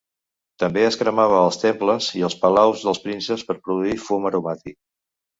També es cremava als temples i els palaus dels prínceps per produir fum aromàtic.